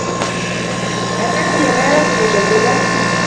هل نسي ماله مجدّدا؟